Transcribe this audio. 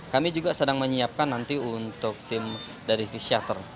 kami juga sedang menyiapkan nanti untuk tim dari fisiator